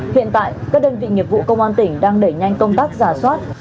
hiện tại các đơn vị nghiệp vụ công an tỉnh đang đẩy nhanh công tác giả soát